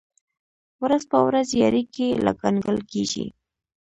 ورځ په ورځ یې اړیکې لا ګنګل کېږي.